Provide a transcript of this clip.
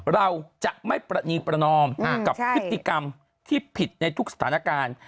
เราจะไม่ประนีประนอมกับพฤติกรรมที่ผิดในทุกสถานการณ์